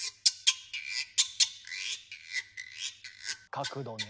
角度ね。